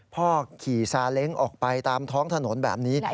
พ่อขี่ซาเล้งออกไปตามท้องถนนแบบนี้